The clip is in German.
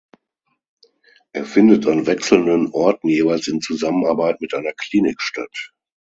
Er findet an wechselnden Orten jeweils in Zusammenarbeit mit einer Klinik statt.